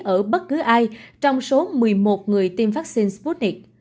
ở bất cứ ai trong số một mươi một người tiêm vaccine sputnich